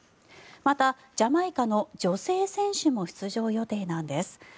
また、ジャマイカの女性選手も出場予定なんです。